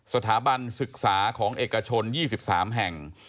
สถาบันศึกษาของเอกชน๒๓แห่ง